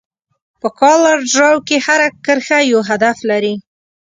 په کولر ډراو کې هره کرښه یو هدف لري.